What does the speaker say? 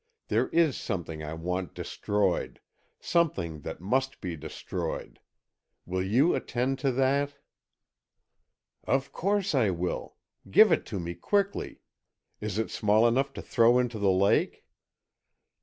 There is something I want destroyed, something that must be destroyed. Will you attend to that?" "Of course I will. Give it to me quickly. Is it small enough to throw into the lake?"